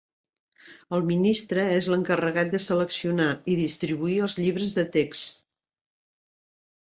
El ministre és l'encarregat de seleccionar i distribuir els llibres de text.